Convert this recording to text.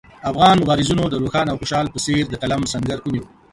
افغان مبارزینو د روښان او خوشحال په څېر د قلم سنګر ونیو.